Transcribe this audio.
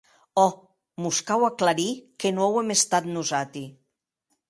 Òc, mos cau aclarir que non auem estat nosati.